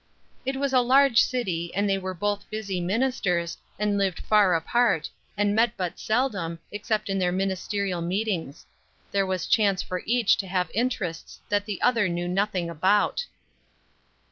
It was a large city, and they were both busy ministers, and lived far apart, and met but seldom, except in their ministerial meetings; there was chance for each to have interests that the other knew nothing about.